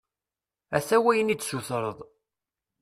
Ata wayen i d-tessutreḍ.